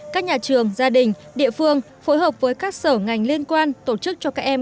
các nhà trường gia đình địa phương phối hợp với các sở ngành liên quan tổ chức cho các em